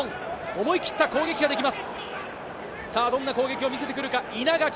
思い切った攻撃ができます。